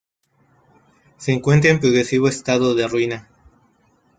Se encuentra en progresivo estado de ruina.